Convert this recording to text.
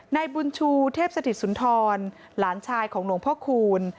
นายบุญชูเทพสถิตสุนทรหลานชายของหลวงพ่อคูณ